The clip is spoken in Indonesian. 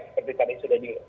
seperti tadi sudah diakui